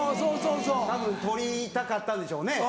たぶん撮りたかったんでしょうね。